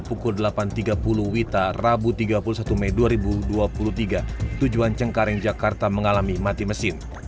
pukul delapan tiga puluh wita rabu tiga puluh satu mei dua ribu dua puluh tiga tujuan cengkareng jakarta mengalami mati mesin